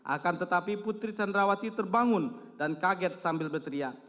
akan tetapi putri candrawati terbangun dan kaget sambil berteriak